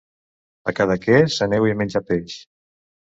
A Cadaqués aneu-hi a menjar peix.